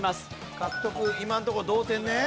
獲得今のとこ同点ね。